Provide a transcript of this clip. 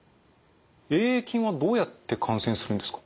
Ａ．ａ．菌はどうやって感染するんですか？